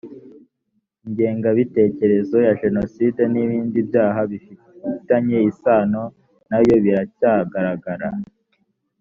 ingengabitekerezo ya jenoside n ibindi byaha bifitanye isano na yo biracyagaragara